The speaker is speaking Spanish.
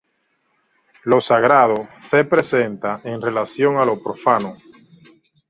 Lo sagrado se presenta en relación a lo profano.